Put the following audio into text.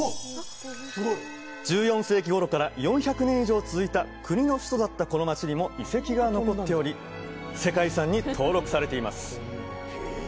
１４世紀頃から４００年以上続いた国の首都だったこの街にも遺跡が残っており世界遺産に登録されています